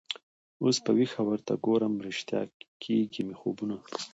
اوس په ویښه ورته ګورم ریشتیا کیږي مي خوبونه